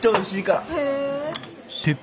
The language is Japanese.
へえ。